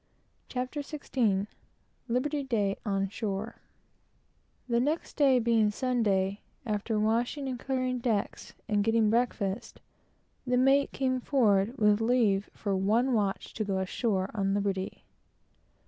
CHAPTER XVI LIBERTY DAY ON SHORE The next day being Sunday, after washing and clearing decks, and getting breakfast, the mate came forward with leave for one watch to go ashore, on liberty.